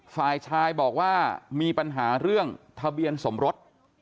ฝ่ายชายบอกว่ามีปัญหาเรื่องทะเบียนสมรส